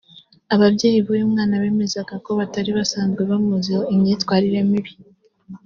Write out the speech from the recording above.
Ababyeyi b'uyu mwana bemezaga ko batari basanzwe bamuziho imyitwarire mibi